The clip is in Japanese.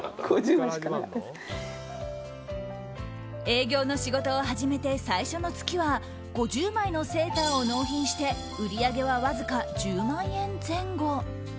営業の仕事を始めて最初の月は５０枚のセーターを納品して売り上げはわずか１０万円前後。